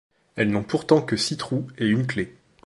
Elles n'ont pourtant que six trous et une clé.